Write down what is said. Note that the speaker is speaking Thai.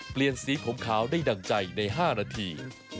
เปลี่ยนสีผมขาวได้ดั่งใจใน๕นาที